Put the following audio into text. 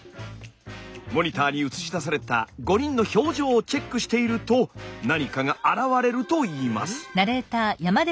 モニターに映し出された５人の表情をチェックしていると何かがあらわれるといいます。